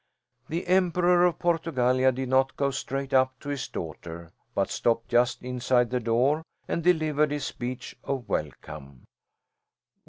The Emperor of Portugallia did not go straight up to his daughter but stopped just inside the door and delivered his speech of welcome.